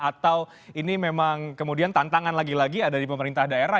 atau ini memang kemudian tantangan lagi lagi ada di pemerintah daerah